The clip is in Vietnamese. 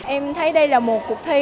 em thấy đây là một cuộc thi